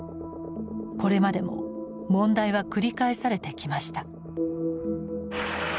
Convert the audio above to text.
これまでも問題は繰り返されてきました。